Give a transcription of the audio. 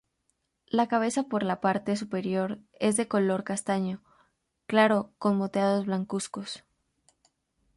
La cabeza por la parte superior es de color castaño claro con moteados blancuzcos.